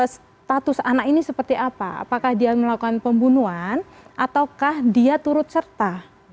status anak ini seperti apa apakah dia melakukan pembunuhan ataukah dia turut serta